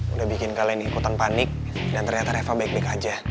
udah bikin kalian ikutan panik dan ternyata reva baik baik aja